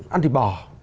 ăn thịt bò